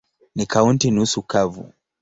Ni kaunti nusu kavu.